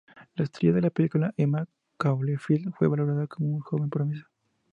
La estrella de la película, Emma Caulfield, fue valorada como una joven promesa.